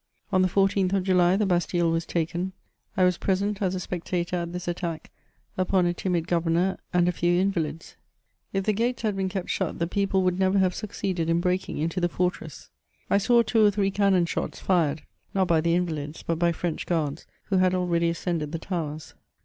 On the 1 4th of July the Bastille was taken ; I was present as a spectator at this attack upon a timid governor and a few inva lids. If the gates had been kept shut, the people would never have succeeded in breaking into the fortress. I saw two or three cannon shots fired, not by the invalids, but by French duards, who had already ascended the towers.